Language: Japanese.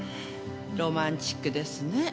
ロマンチックですね。